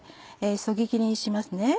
そぎ切りにしますね。